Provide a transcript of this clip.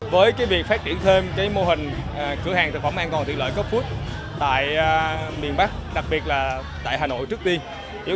với việc phát triển thêm mô hình cửa hàng thực phẩm an toàn thị lợi coop food tại miền bắc đặc biệt là tại hà nội trước tiên